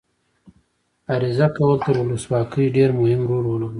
عریضه کول تر ولسواکۍ ډېر مهم رول ولوباوه.